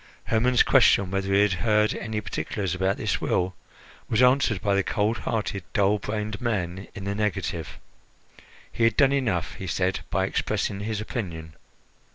Hermon's question whether he had heard any particulars about this will was answered by the cold hearted, dull brained man in the negative. He had done enough, he said, by expressing his opinion.